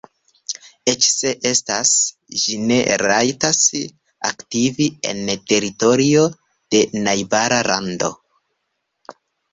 Eĉ se estas, ĝi ne rajtas aktivi en teritorio de najbara lando.